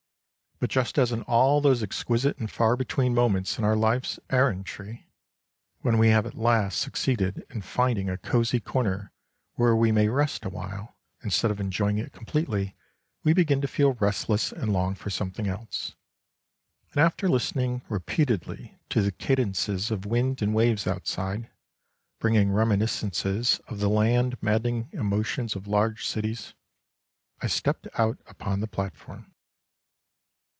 But just as in all those exquisite and far between moments in our life's errantry, when we have at last succeeded in finding a cosy corner where we may rest a while, instead of enjoying it completely, we begin to feel restless and long for some thing else ; and after listening repeatedly to the cadences of wind and waves outside, bringing reminiscences of the land maddening emotions of large cities, I stepped out upon the platform.